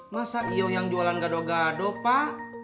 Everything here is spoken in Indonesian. masa iyo yang jualan gadoh gadoh pak